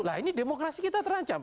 nah ini demokrasi kita terancam